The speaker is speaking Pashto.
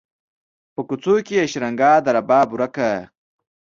په کوڅو کې یې شرنګا د رباب ورکه